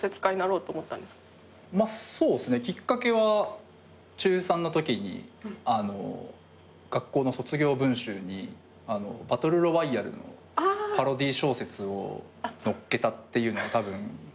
そうっすねきっかけは中３のときに学校の卒業文集に『バトル・ロワイアル』のパロディー小説を載っけたっていうのがたぶんきっかけで。